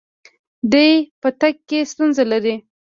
دی په تګ کې ستونزه لري.